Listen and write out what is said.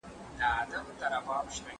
جغرافیا هم کله ناکله د ټولنیزو علومو برخه وي.